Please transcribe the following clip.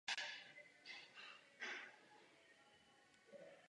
Nahrál také několik sólových alb.